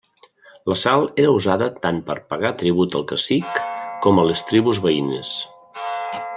La sal era usada tant per pagar tribut al cacic com a les tribus veïnes.